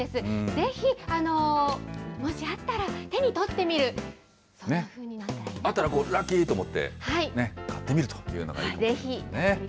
ぜひ、もしあったら手に取ってみる、そんなふうになったらいいなあったらラッキーと思って、買ってみるというのがいいと思いますね。